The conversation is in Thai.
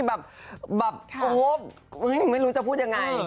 แบบโอ้ไม่รู้จะพูดยังไง